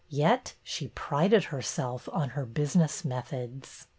Yet she prided herself on her business methods!